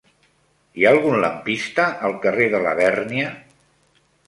Hi ha algun lampista al carrer de Labèrnia?